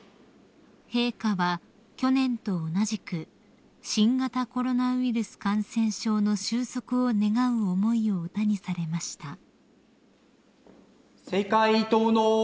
［陛下は去年と同じく新型コロナウイルス感染症の終息を願う思いを歌にされました］